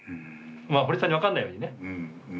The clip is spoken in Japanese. まあホリさんに分かんないようにね。